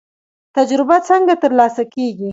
تجربه څنګه ترلاسه کیږي؟